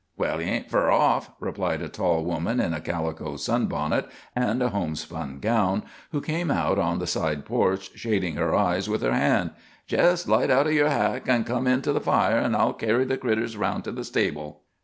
"Well, he ain't fur off," replied a tall woman in a calico sunbonnet and a homespun gown, who came out on the side porch, shading her eyes with her hand. "Jest light out o' yer hack an' come in to the fire, an' I'll carry the critters round to the stable."